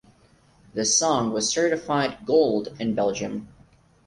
The song was certified Gold in Belgium.